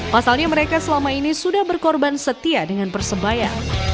pasalnya mereka selama ini sudah berkorban setia dengan persebaya